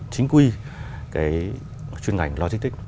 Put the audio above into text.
chính quy cái chuyên ngành logistics